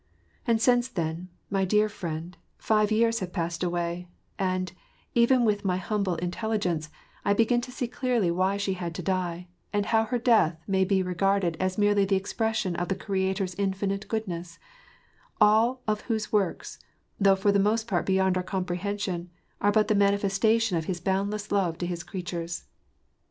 And since tlien, my dear friend, five years have passed away, and, even with my humble intelligence, I begin to clearly see why she had to die, and how her death may be rmrded as merely the expression of the Creator's infinite goodness: all of Whose works, though for the most part beyond our comprehension, are but the manifestation of His boundless love to His creatures.